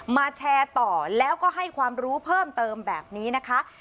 แชร์ต่อแล้วก็ให้ความรู้เพิ่มเติมแบบนี้นะคะ